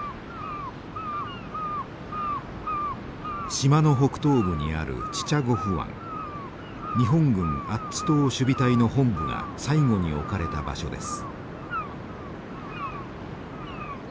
島の北東部にある日本軍アッツ島守備隊の本部が最後に置かれた場所です。